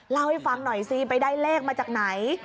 เล่าให้ฟังหน่อยสิไปได้เลขมาจากไหน